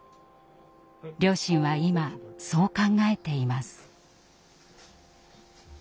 両親は今そう考えています。